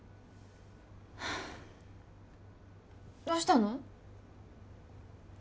どうしたの？